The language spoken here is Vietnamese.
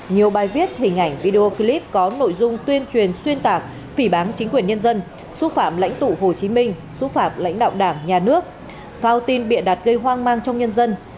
nhiều bài viết hình ảnh video clip có nội dung tuyên truyền xuyên tạc phỉ bán chính quyền nhân dân xúc phạm lãnh tụ hồ chí minh xúc phạm lãnh đạo đảng nhà nước phao tin bịa đặt gây hoang mang trong nhân dân